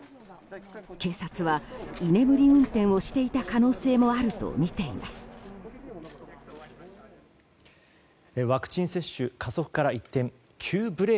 警察は居眠り運転をしていた可能性もあるとみています。